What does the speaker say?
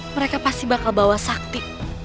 mereka pasti bakal bawa sakti